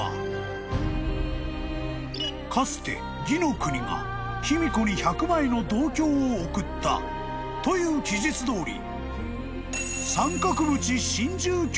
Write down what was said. ［かつて魏の国が卑弥呼に１００枚の銅鏡を送ったという記述どおり］